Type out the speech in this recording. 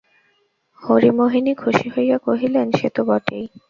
হরিমোহিনী খুশি হইয়া কহিলেন, সে তো বটেই।